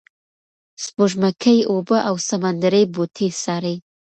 سپوږمکۍ اوبه او سمندري بوټي څاري.